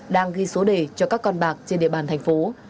đang ghi số đề cho các con bạc trên địa bàn thành phố